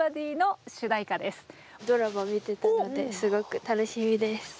ドラマ見てたのですごく楽しみです。